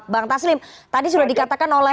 bang taslim tadi sudah dikatakan oleh